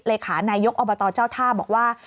ราศนายกยกอบตเจ้าท่าบอกว่า